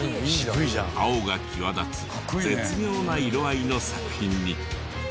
青が際立つ絶妙な色合いの作品に。